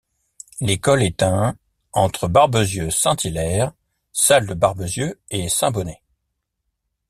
L'école est un entre Barbezieux-Saint-Hilaire, Salles-de-Barbezieux et Saint-Bonnet.